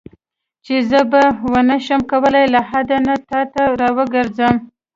چې زه به ونه شم کولای له لحد نه تا ته راوګرځم.